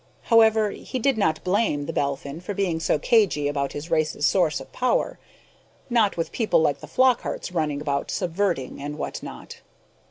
However, he did not blame the Belphin for being so cagy about his race's source of power, not with people like the Flockharts running about subverting and whatnot.